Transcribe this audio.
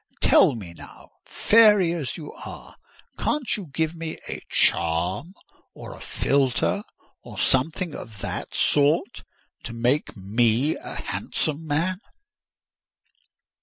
Tell me now, fairy as you are—can't you give me a charm, or a philter, or something of that sort, to make me a handsome man?"